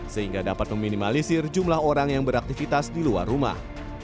sehingga dapat meminimalisir jumlah orang yang beraktivitas di luar rumah